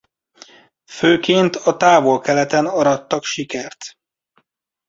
Főként a Távol-Keleten arattak sikert.